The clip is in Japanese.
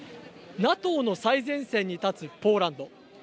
ＮＡＴＯの最前線に立つポーランド。